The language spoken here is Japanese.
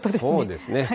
そうですね。